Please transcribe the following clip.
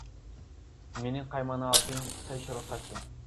Менин каймана атым Сайхиросаки.